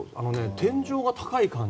天井が高い感じ。